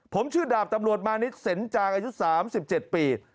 ผมชื่อดาบตำรวจมานิดเซ็นจางอายุ๓๗ปี